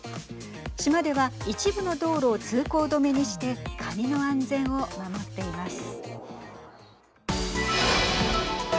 島では一部の道路を通行止めにしてかにの安全を守っています。